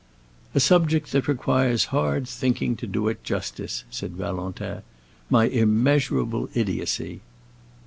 "A subject that requires hard thinking to do it justice," said Valentin. "My immeasurable idiocy."